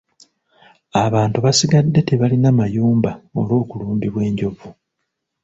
Abantu basigadde tebalina mayumba olw'okulumbibwa enjovu.